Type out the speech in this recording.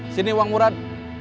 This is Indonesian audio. sini uang murad